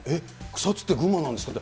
草津って群馬なんですかって。